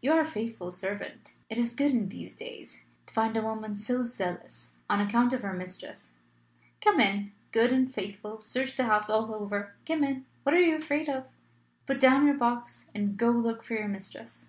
"You are a faithful servant: it is good, in these days, to find a woman so zealous on account of her mistress. Come in, good and faithful. Search the house all over. Come in what are you afraid of? Put down your box, and go and look for your mistress."